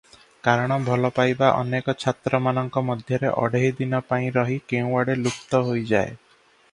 କାରଣ ଭଲପାଇବା ଅନେକ ଛାତ୍ରମାନଙ୍କ ମଧ୍ୟରେ ଅଢ଼େଇଦିନ ପାଇଁ ରହି କେଉଁଆଡ଼େ ଲୁପ୍ତ ହୋଇଯାଏ ।